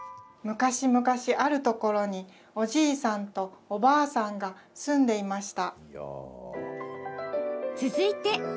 昔々あるところにおじいさんとおばあさんが住んでいました。